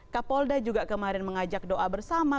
kapolda juga kemarin mengajak doa bersama